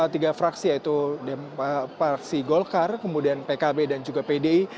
tiga fraksi yaitu partai golkar kemudian pkb dan juga pdi